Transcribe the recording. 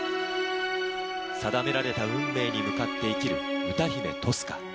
定められた運命に向かって生きる歌姫トスカ。